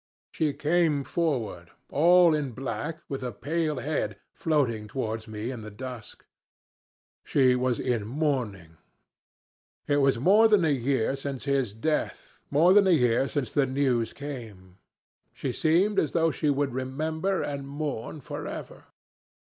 "She came forward, all in black, with a pale head, floating towards me in the dusk. She was in mourning. It was more than a year since his death, more than a year since the news came; she seemed as though she would remember and mourn for ever.